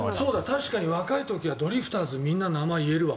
確かに若い時はドリフターズみんな、名前言えるわ。